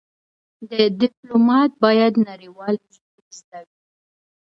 د ډيپلومات بايد نړېوالې ژبې زده وي.